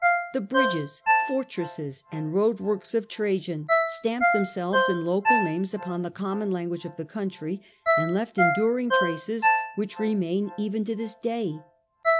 The bridges, fortresses, and road works of Trajan stamped themselves in local names upon the common language of the country, and left enduring traces which remain even to this day.